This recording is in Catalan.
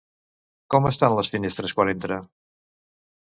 Com estan les finestres quan entra?